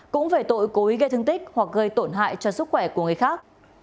cũng về tội cối gây thương tích hoặc gây tổn hại cho sức khỏe của người khác